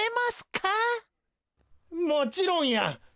もちろんや！